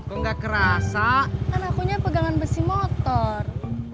enggak kerasa anaknya pegangan besi motor